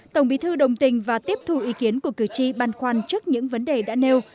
tổng bí thư đồng tình và tiếp thu ý kiến của cử tri băn khoăn trước những vấn đề đã nêu